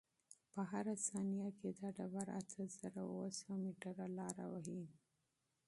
په هره ثانیه کې دا ډبره اته زره اوه سوه متره لاره وهي.